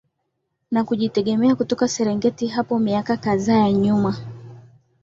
na kujitegemea kutoka Serengeti hapo miaka kadhaa nyuma